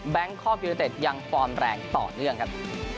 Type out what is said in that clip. แบงค์คอปยุโดยเต็ดยังฟอร์มแรงต่อเนื่องครับ